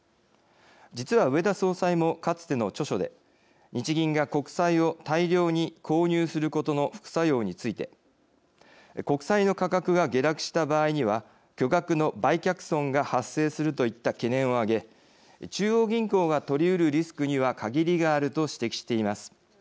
実は植田総裁も、かつての著書で日銀が国債を大量に購入することの副作用について国債の価格が下落した場合には巨額の売却損が発生するといった懸念を挙げ中央銀行がとりうるリスクには限りがあると指摘しています。